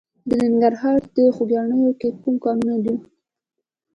د ننګرهار په خوږیاڼیو کې کوم کانونه دي؟